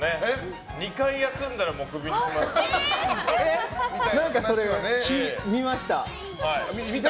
２回休んだらクビにしますって。